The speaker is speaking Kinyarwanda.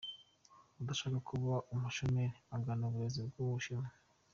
Udashaka kuba umushomeri agana uburezi bw’u Bushinwa.